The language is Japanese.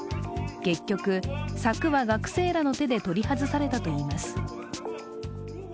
結局、柵は学生らの手で取り外されたといいます。